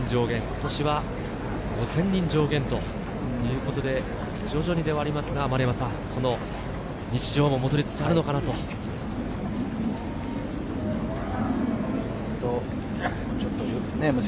今年は５０００人が上限ということで、徐々にではありますが、日常も戻りつつあるのかなという状況です。